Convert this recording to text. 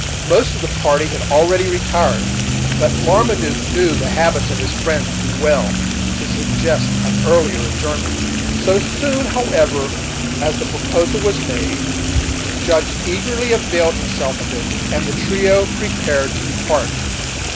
Most of the party had already retired, but Marmaduke knew the habits of his friend too well to suggest an earlier adjournment. So soon, however, as the proposal was made, the Judge eagerly availed himself of it, and the trio prepared to depart.